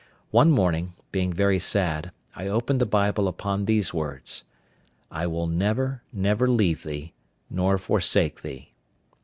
One morning, being very sad, I opened the Bible upon these words, "I will never, never leave thee, nor forsake thee."